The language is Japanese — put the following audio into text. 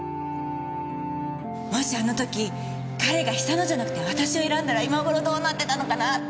もしあの時彼が久乃じゃなくて私を選んだら今頃どうなってたのかな？って。